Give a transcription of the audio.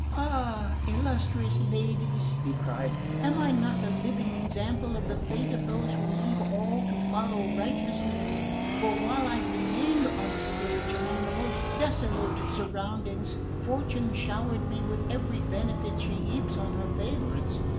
"Ah, illustrious ladies," he cried, "am I not a living example of the fate of those who leave all to follow righteousness? For while I remained on the stage, among the most dissolute surroundings, fortune showered me with every benefit she heaps on her favourites.